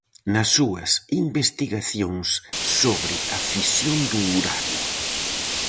Nas súas investigacións sobre a fisión do uranio.